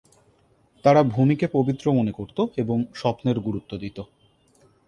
তারা ভূমিকে পবিত্র মনে করত এবং স্বপ্নের গুরুত্ব দিত।